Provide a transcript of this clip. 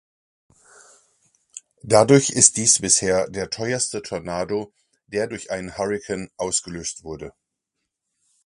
Dadurch ist dies bisher der teuerste Tornado, der durch einen Hurrikan ausgelöst wurde.